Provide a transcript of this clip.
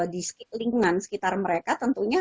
di lingkungan sekitar mereka tentunya